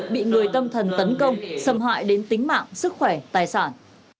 bị người tâm thần tấn công xâm hại đến tính mạng sức khỏe tài sản